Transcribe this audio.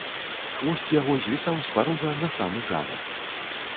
Хвост яго звісаў з парога на самы ганак.